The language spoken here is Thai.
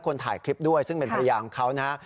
คนถ่ายคลิปด้วยซึ่งเป็นพยายามเขานะ